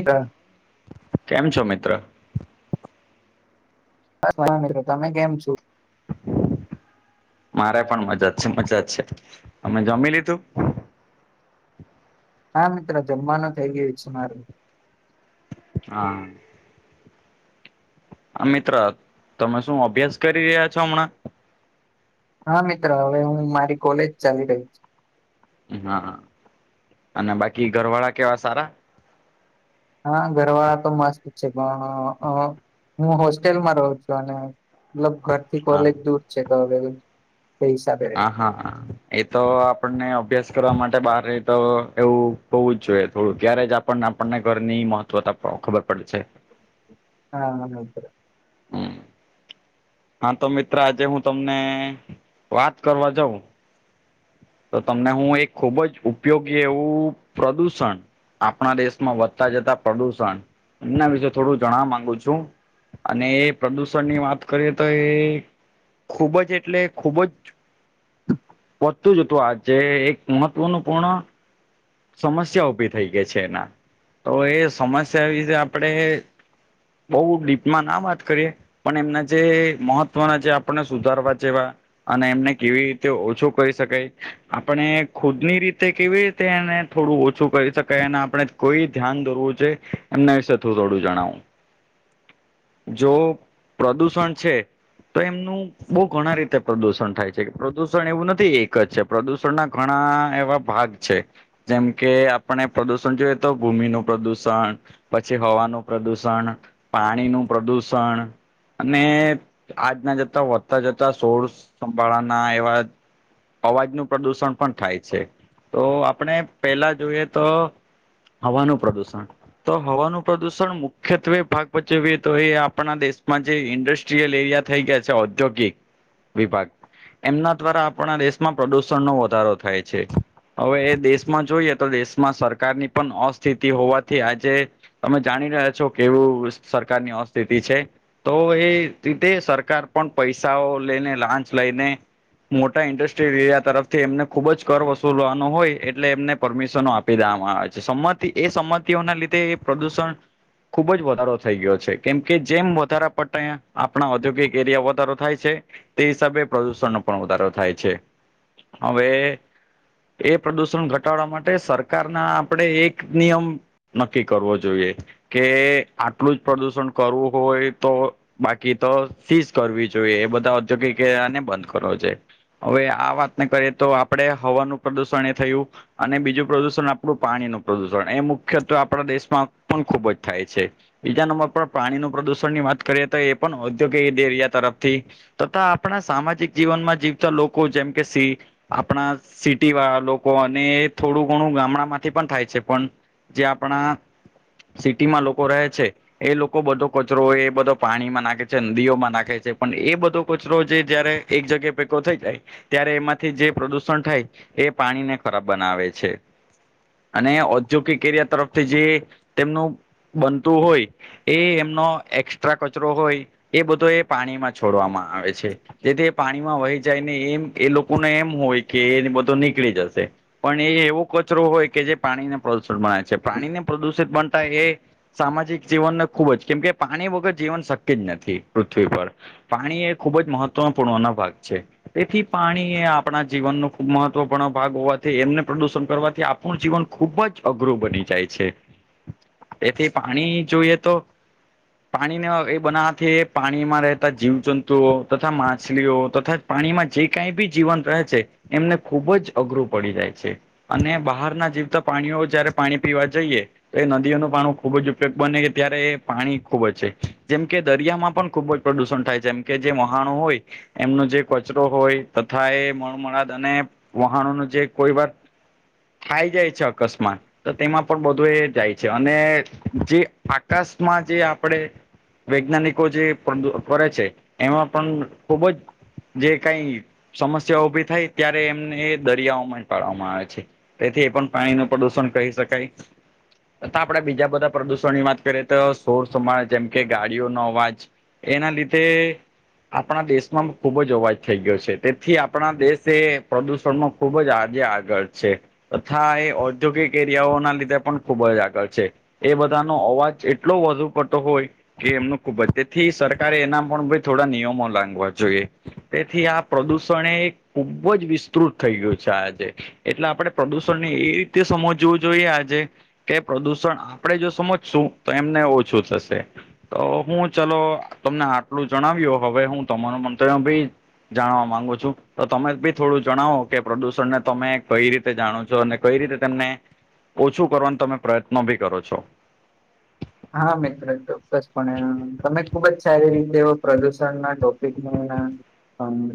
[unintelligible] કેમ છો મિત્ર. બસ મજા મિત્રો તમે કેમ છો. મારે પણ મજા જ છે મજા જ છે તમે જમી લીધું હા મિત્રો જમવાનું થઇ ગયું છે મારુ હા આ હા મિત્ર તમે શું અભ્યાસ કરી રહ્યા છો હમણાં હા મિત્ર હવે હું મારી કોલેજ ચાલી રહી છે. હા હા અને બાકી ઘરવાળા કેવા સારા હા ઘરવાળા તો મસ્ત છે અ હ પણ હું હોસ્ટેલમાં રહું છું અને લબ ઘરથી હા કોલેજ દુર છે તો હવે તે હિસાબે આ રહેવા હા હા. એ તો આપણને અભ્યાસ કરવા માટે બાર રહી તો એવું હોવું જ જોઈએ થોડું ત્યારે જ પણ આપણને ઘરની મહત્વતા પણ ખબર પડે છે. હા [unintelligible] [inaudible] હા તો મિત્ર આજે હું તમને વાત કરવા જાઉં તો તમને હું એક ખુબ જ ઉપયોગી એવું પ્રદુષણ આપણા દેશમાં વધતા જતા પ્રદુષણ એમના વિશે થોડું જાણવા માંગુ છું. અને એ પ્રદુષણ ની વાત કરીએ તો એ ખૂબ જ એટલે ખુબ જ વઘતુ જતું આજે એક મહત્વનું પૂર્ણ સમસ્યા ઊભી થઈ ગઈ છે એના તો એ સમસ્યા વિશે આપણેે બહુ ડીપમાં ના વાત કરીએ. પણ એમના જે મહત્વના જે આપણને સુધારવા જેવા અને એમને કેવી રીતે ઓછું કરી શકાય આપણે ખુદ ની રીતે કેવી રીતે એને થોડું ઓછું કરી શકાય અને આપણે કોઈ ધ્યાન દોરવું જોઈએ એમના વિશે થું થોડું જણાવું જો ઓ પ્રદુષણ છે. તો એમનું બહુ ઘણા રીતે પ્રદુષણ થાય છે કે પ્રદુષણ એવું નથી એક જ પ્રદુષણ ના ઘણા એવા ભાગ છે. જેમ કે આપણે પ્રદુષણ જોયએ તો ભૂમિ નું પ્રદુષણ પછી હવાનું પ્રદુષણ પાણી નું પ્રદુષણ અને આજના જતા વધતા જતા સોળ સંભાળાના એવા અવાજનુ પ્રદુષણ પણ થાય છે તો આપણે પેલા જોઈએ તો હવાનું પ્રદુષણ તો હવાનું પ્રદુષણ મુખ્યત્વે ભાગ ભજવીએ તો એ આપણા દેશમાં જે ઇન્ડસ્ટ જે લરિયા થઈ ગયા છે ઔદ્યોગિક વિભાગ એમના દ્વારા આપણા દેશમાં પ્રદુષણ નો વધારો થાય છે હવે એ દેશ આમા જોઈએ તો દેશમાં સરકારની પણ અસ્થિતિ હોવાથી આજે તમે જાણી રહ્યા છો કેવું સરકારની અસ્થિતિ છે. તો એ રીતે સરકાર પણ પૈસાઓ લઈને લાંચ લઈને મોટા ઇન્ડસ્ટ્રીયલ એરિયા તરફથી એમને ખુબ જ કર વસુલવાનો હોય એટલે એમને પરમિશનો આપી દેવામાં આવે છે સંમતિ એ સંમતિઓના લીધે એ પ્રદુષણ ખુબ જ વધારો થઈ ગયો છે કેમ કે જેમ વધારા પતા આપણા ઔદ્યોગિક એરિયા વધારો થાય છે. તે હિસાબે પ્રદુષણનો પણ વધારો થાય છે હવે એ પ્રદુષણ શુ ઘટાડવા માટે સરકાર ના આપડે એક નિયમ નક્કી કરવો જોઈએ. કે આટલું જ પ્રદુષણ કરવું હોય તો બાકી તો સીઝ કરવી જોઈએ એ બધા ઔદ્યોગિક આને બંધ કરવો જોઈ હવે આ વાતને કરીએ તો આપડે હવાનું પ્રદુષણ એ થયું. અને બીજું પ્રદુષણ આપણું પાણી નું પ્રદુષણ એ મુખ્યત્ આપણા દેશમાં પણ ખુબ જ થાય છે. બીજા નંબર પર પાણીનુ પ્રદુષણની વાત કરીએ તો એ પણ ઔદ્યોગિક એરિયા તરફથી તથા આપણા સામાજિક જીવનમાં જીવતા લોકો જેમ કે સિંહ. આપણા સિટી વાળા લોકો અને થોડું ઘણું ગામડા માંથી પણ થાય છે પણ જે આપણા સિટીમાં લોકો રહે છે એ લોકો બધો કચરો એ બધો પાણીમાં નાખે દીઓમાં નાખે છે, પણ એ બધો કચરો જે જયારે એક જગ્યા ભેગો થઈ જાય ત્યારે એમાંથી જે પ્રદુષણ થાય એ પાણીને ખરાબ બનાવે છે. અને ઔદ્યોગિક કેરય તરફથી જે તેમનું બનતુ હોય. એ એમનો એકક્સ્ટ્રા કચરો હોય, એ બધો એ પાણીમાં છોડવામા આવે છે. જેથી પાણી પાણીમાં વહી જાય ને એમ એ લોકોને એમ હોય કે એ બધો નીકળી જશે. પણ એ એવો કચરો હોય, કે જે પાણીને પ્રદુષિત બનાય છે, પાણીને પ્રદુષિત બનતા એ સામાજિક જીવનને ખૂબ જ કેમ કે પાણી વગર જીવન શક્ય જ નથી પૃથ્વી પર પાણી એ ખુબ જ મહત્વપૂર્ણ ભાગ છે. તેથી પાણી એ આપણા જીવનનો ખુબ મહત્વપૂર્ણ ભાગ હોવા એમને પ્રદુષણ કરવાથી આપણું જીવન ખુબ જ અઘરું બની જાય છે. તેથી પાણી જોઈએ તો પાણીને એ બનાવવાથી પાણીમાં રહેતા જીવ જંતુઓ તથા માછલીઓ તથા પાણીમાં જે કઈ બી જીવંત રહે છે, એમને ખુબ જ અઘરું પડી જાય છે. અને બહારના જીવતા પ્રણીઓ જયારે પાણી પીવા જઈએ. તો એ નદીઓનું પાણું ખુબજ ઉપયોગ બને ત્યારે એ પાણી ખુબ જ છે, જેમ કે દરિયામાં પણ ખૂબ જ પ્રદુષણ થાય છે. જેમ કે જે વહાનો હોય એમનો જે કચરો હોય તથા એ મળ મળાદ અને વહાણનું જે કોઈ વાર થાઈ જાય છે, અકસ્માત તો તેમાં પણ બધું એ જાય છે અને જે આકાશમાં જે આપણેે વૈજ્ઞાનિકો જે કરે છે, એમાં પણ ખુબ જ જે કઈ સમસ્યા ઉભી થાય ત્યારે એમને એ દરિયાઓમા પાડવામાં આવે છે તેથી એ પણ પાણીનું પ્રદુષણ કહી શકાય છતાં આપણે બીજા બધા પ્રદુષણની વાત કરીએ. તો સોર સમાળ જેમ કે ગાડીઓનો અવાજ એના લીધે આપણા દેશમાં ખુબ જ અવાજ થઈ ગયો છે, તેથી આપણા દેશ એ પ્રદુષણમાં ખુબજ જ આગળ છે તથા એ ઔદ્યોગિક એરિયાઓના લીધે પણ ખુબ જ આગળ છે. એ બધાનો અવાજ એટલો વધુ પડતો હોય. કે એમનું ખુબ જ તેથી સરકારે એના પણ ભાર થોડા નિયમો લાગવા જોઈએ. તેથી આ પ્રદુષણ એ ખુબ જ વિસ્તૃત થઈ ગયું છે. આજ એટલે આપણે પ્રદુષણને એ રીતે સમજવું જોઈએ. આજે કે પ્રદૂષણ આપણે જો સમજશું તો એમને ઓછું થશે. તો હું ચલો તમને આટલું જણાવ્યો હવે, હું તમાર મંતવ્ય ભી જાણવા માંગુ છુ, તો તમે બી થોડું જણાવો કે પ્રદૂષણને તમે કઈ રીતે જાણો છો અને કઈ રીતે તેમને ઓછું કરવાનો તમે પ્રયત્નો બી કરો છો. હા, મિત્ર ચોક્કસપણે તમે ખુબ જ સારી રીતે પ્રદુષણના ટોપિક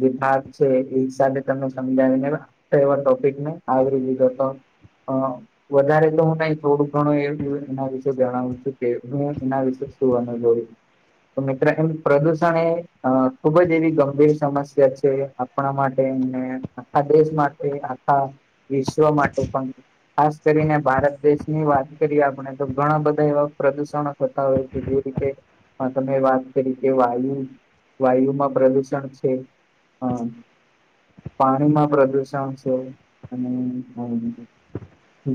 જે ભાગ છે, એ હિસાબે તમે સમજાવી લેવા એવા ટોપિકને આવરી લીધો હતો. અ વધારે તો હુ, ત થોડુંક ઘણું એ એના વિશે જણાવું છુ. કે હું એના વિશે જોડી તો મિત્ર, એમ પ્રદુષણ એ ખુબજ એવી ગંભીર સમસ્યા છે. આપણા માટેને! આખા દેશ માટે, આખા વિશ્વ માટે પણ ખાસ કરીને ભારત દેશની વાત કરીએ આપણે તો ઘણા બધા એવા પ્રદુષણ થતા હોય છે જે રીતે તમે વાત કરી કે વાયુ વાયુમાં પ્રદુષણ છે. પાણીમાં પ્રદુષણ છે, અને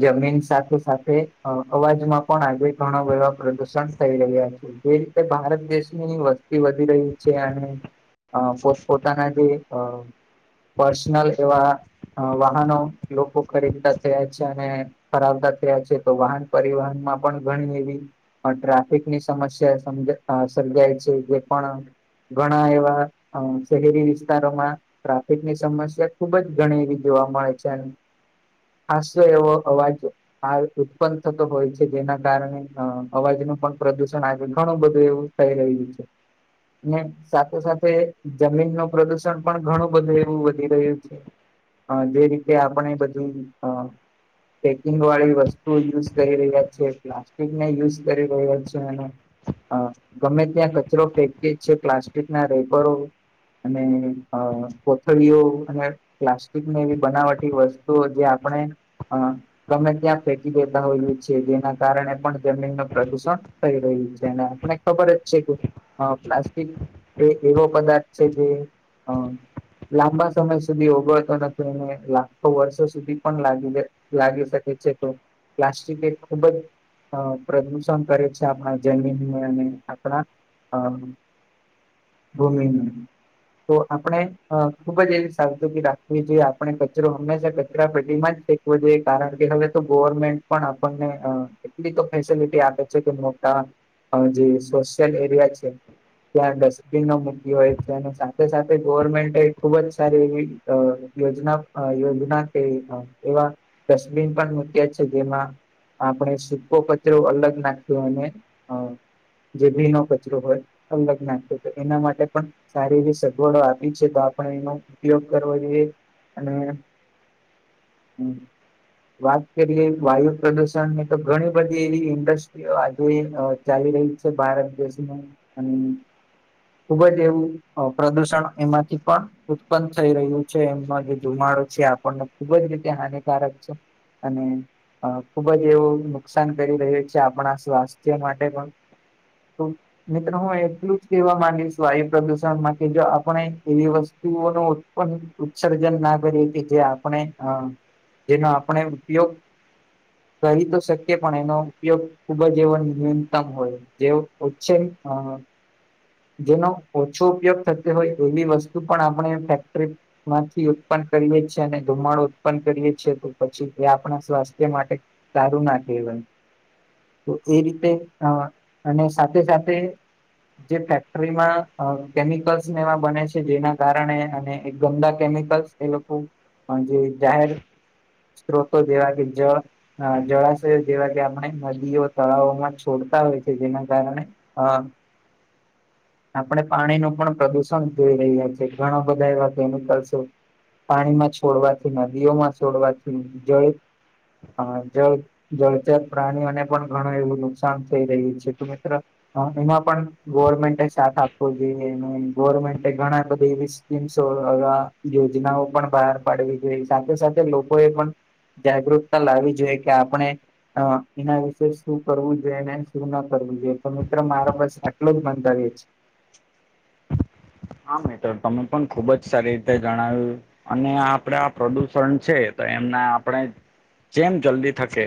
જમીન સાથે-સાથે અવાજમાં પણ આવી ઘણા બધ પ્રદુષણ થઈ રહ્યા છે. જે રીતે ભારત દેશની વસ્તી વધી રહી છે અને પોતપો પોતાના જે પર્સનલ એવા અહ વાહનો લોકો બુક કરી દિધા છે અને ફરાવતા થયા છે તો વાહન પરિવહનમાં પણ ઘણી એવી અહ ટ્રાફિકની સમસ્યા સમજાઈ સર્જાય છે જે પણ ઘણા એવા અહ શહેરી વિસ્તારોમાં ટ્રાફિક ની સમસ્યા ખુબ જ ઘણી એવી જોવા મળે છે. હાસ્ય એવો અવાજ હા ઉત્પન્ન થતો હોય છે જેના કારણે અહ અવાજ નું પણ પ્રદુષણ આવે ઘણું બધું એવું થઈ રહ્યું છે. ને સાથે સાથે જમીન નું પ્રદુષણ પણ ઘણું બધું એવું વધી રહ્યું છે. હા જે રીતે આપણે બધું હા પેકિંગ વાળી વસ્તુ યુઝ કરી રહ્યા છે. પ્લાસ્ટિકને યુઝ કરી રહ્યા છે અને અહ ગમે ત્યાં કચરો ફેંકીએ છે પ્લાસ્ટિક ના રેપરો અને અહ કોથળીઓ અને પ્લાસ્ટિકની એવી બનાવટી વસ્તુ જે આપણે અહ તમે ત્યાં ફેંકી દેતા હોય છે જેના કારણે પણ જમીન નો પ્રદુષણ થઈ રહ્યું છે અનેન આપણે ખબર જ છે કે હા પ્લાસ્ટિક કે એવો પદાર્થ છે જે અહ લાંબા સમય સુધી ઓગળતો નથી એને લાખો વર્ષો સુધી પણ લાગી જાય. લાગી શકે છે તો પ્લાસ્ટિક એ ખૂબ જ અહ પ્રદુષણ કરે છે આપણા જમીનને અને આપણા અહ [unintelligible] તો આપણે અહ ખુબ જ એવી સાવધૂ રાખવી જોઈએ આપણે કચરો હંમેશા કચરા પેડીમાં જ ફે કવું જોઈએ કારણ કે હવે તો ગવર્મેન્ટ પણ આપણને અહ પૂરી એ તો ફેસિલિટી આપે છે કે મોટા અહ જે સોશિયલ એરિયા છે ત્યાં ડસ્ટબીન મૂકી હોય છે અને સાથે સાથે ગવર્મેન્ટ ખુબ જ સારી એવી અહ યોજના અહ યોજના કે અહ એવા ડસ્ટબિન પણ મૂક્યા છે જેમાં આપણે શી કો કચરો અલગ નાખ્યો અને અહ જે ભી નો કચરો હોય અલગ નાખો તો એના માટે પણ સારી એવી સગવડો આપી છે તો આપણે એનો ઉપયોગ કરવો જોઈએ અને હમ્મ, વાત કરીએ વાયુ પ્રદુષણ ની તો ઘણી વધ એવી ઇન્ડસ્ટ્રીઓ આજે ચાલી રહી છે ભારત દેશનું અને ખુબ જ એવું અહ પ્રદુષણ એમાંથી પણ ઉત્પન્ન થઈ રહ્યું છે એમમાં જે ધુમાડો છે આપણને ખુબ જ રીતે હાનિકારક છે. અને અહ ખુબ જ એવું નુક સાન કરી રહહી છે આપણા સ્વાસ્થ્ય માટે પણ મિત્રો હું એટલું જ કેહેવા માંગીશ વાયુ પ્રદુષણમાં કે જો આપણે એવી વસ્તુ ઓનું પણ ઉત્સર્જન ના કરી હતી જે આપણે અહ જેના આપણે ઉપયોગ કરી તો શક એ પણ એનો ઉપયોગ ખુબ જ એવો ન્યૂનતમ હોય જે ઓછે અહ જેનો ઓછો ઉપયોગ થતી હોય એવી વસ્તુ પણ આપણે ફેક્ટરી માંથી ઉત્પન્ન કરીએ છી અને ધુમાડો ઉત્પન્ન કરીએ છીએ તો પછી એ આપણા સ્વાસ્થ્ય માટે સારું ના કેહવાય. તો એ રીતે અહ અને સાથે સાથે જે ફેક્ટરીમાં અહ કેમિકલ્સ ને એવા બને છે જેના કારણે અને એક ગંદા કેમિકલ્સ એ લોકો જે અહ જાહેર સ્ત્રોતો જેવા કે જ અહ જળા તે જેવા કે આપણે નદીઓ તળાવોમાં છોડતા હોય છે જેના કારણે અહ આપણે પાણી નું પણ પ્રદુષણ જોઈ રહ્યા છી ઘણા બધા એવા કેમિકલ્સ છે પાણીમાં છોડવાથી નદીઓમાં છોડવાથી જળ અહ જળ જળચત પ્રાણીઓને પણ ઘણું એવું નુકસાન થઈ રહ્યું છે. તો મિત્ર હ એમાં પણ ગવર્મેન્ટ સાથ આપવો જોઈએ અને ગવર્મેન્ટ ઘણા બધા એવી સ યોજનાઓ પણ બહાર પાડવી જોઈ સાથે સાથે લોકો એ પણ જાગૃતતા લાવવી જોઈએ કે આપણે અ એના વિશે શું કરવું જોઈએ ને શું ના કરવું જોઈએ તો મિત્ર મારા બસે આટલો જ બંધાવએ છે [inaudible] હા મિત્રો તમે પણ ખુબ જ સારી રીતે જણાવ્યું અને આપડે આ પ્રદુષણ છે તો એમના આપણે જેમ જલ્દી થકે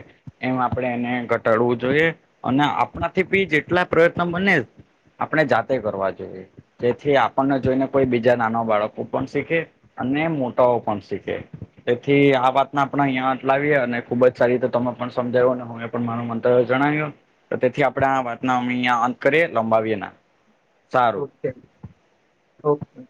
એમ આપડણે એને ઘટાડવું જોઈએ અને આપણાથી બી જેટલા પ્રયત્ન બને આપણે જાતે કરવા જોઈએ થી આપણને જોઈને કોઈ બીજા નાના બાળકો પણ શીખે અને મોટાઓ પણ શીખે તેથી આ વાતને આપણે અહિયાંટ લાવીએ અને ખુબ જ સારી રીતે તમે પણ સમજાવો ને હમે પણ માર મંતવ જણાવ્યું તો તેથી આપડે આ વાતના અમે અંયા અંત કરીએ લંબાવીએ ના સારું ઓકે ઓકે